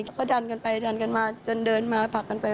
แล้วก็ดันกันไปดันกันมาจนเดินมาผลักกันไป